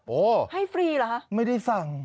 ให้ฟรีเหรอฮะไม่ได้สั่ง